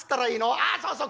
ああそうそう